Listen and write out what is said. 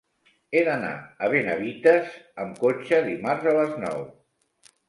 He d'anar a Benavites amb cotxe dimarts a les nou.